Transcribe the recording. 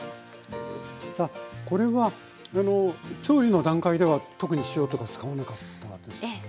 あっこれは調理の段階では特に塩とか使わなかったですよね？